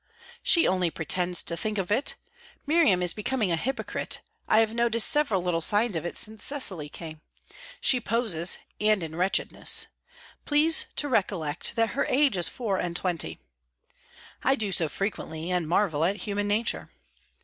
"She only pretends to think of it. Miriam is becoming a hypocrite. I have noted several little signs of it since Cecily came. She poses and in wretchedness. Please to recollect that her age is four and twenty." "I do so frequently, and marvel at human nature."